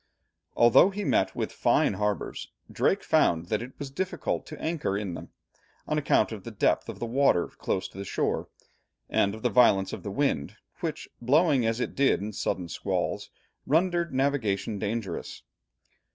Although he met with fine harbours, Drake found that it was difficult to anchor in them, on account both of the depth of the water close to the shore, and of the violence of the wind, which, blowing as it did in sudden squalls, rendered navigation dangerous.